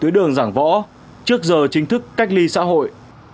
đường giảng võ trước giờ chính thức cách ly xã hội